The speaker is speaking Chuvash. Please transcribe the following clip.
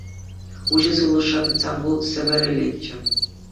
Уҫӑ сывлӑшра тытсан вӑл сӗвӗрӗлетчӗ.